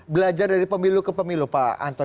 belajar dari pemilu ke pemilu pak anton